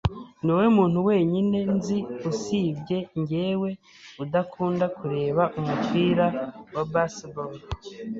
Niwowe muntu wenyine nzi usibye njyewe udakunda kureba umupira wa baseball.